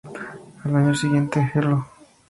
Al año siguiente, "Hello!